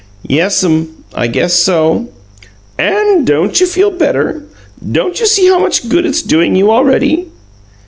"Yes'm, I guess so." "And don't you feel better? Don't you see how much good it's doing you already?"